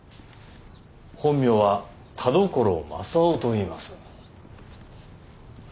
本名は田所柾雄といいます。